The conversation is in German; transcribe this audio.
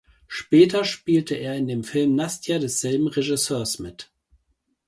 Später spielte er in dem Film Nastja desselben Regisseurs mit.